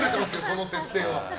その設定は。